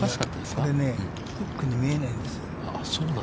これね、フックに見えないんです。